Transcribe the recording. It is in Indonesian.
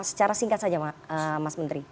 secara singkat saja mas menteri